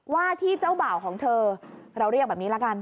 ว่าที่เจ้าบ่าวของเธอเราเรียกแบบนี้ละกัน